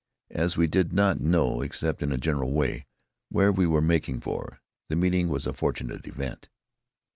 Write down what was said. As we did not know, except in a general way, where we were making for, the meeting was a fortunate event.